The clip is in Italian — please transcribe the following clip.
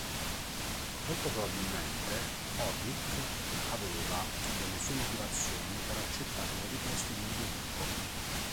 Molto probabilmente Horik aveva delle sue motivazioni per accettare le richieste di Ludovico.